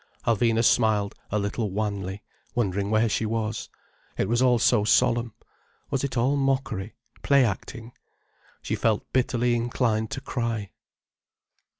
Alvina smiled a little wanly, wondering where she was. It was all so solemn. Was it all mockery, play acting? She felt bitterly inclined to cry.